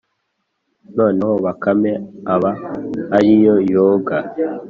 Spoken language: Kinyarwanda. noneho bakame aba ari yo yoga,